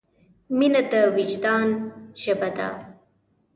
مینه د وجدان ژبه ده.